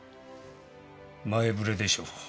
前ぶれでしょう。